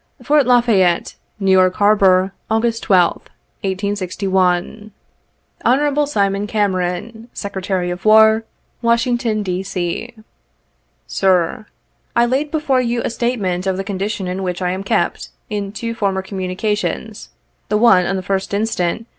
11 Fort La Fayette, N. Y. Harbor, August 12th, 1861. "Hon. SIMON CAMERON, Sec'g of War, "Washington, D. C. "Sir: " I laid before you a statement of the condition in which I am kept, in two former communications, the one on the 1st inst.